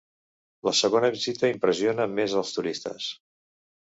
La segona visita impressiona més els turistes.